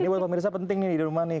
ini buat pemirsa penting nih